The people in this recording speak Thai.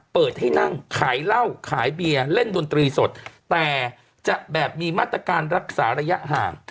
เปิดให้นั่งขายเหล้าขายเบียร์เล่นดนตรีสดแต่จะแบบมีมาตรการรักษาระยะห่าง